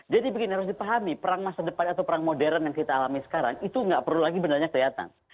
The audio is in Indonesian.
jadi bikin harus dipahami perang masa depan atau perang modern yang kita alami sekarang itu nggak perlu lagi benarnya kelihatan